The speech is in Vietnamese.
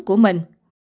và tự tử